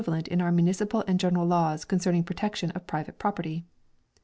236 MAGNA CARTA AND municipal and general laws concerning protection of private property.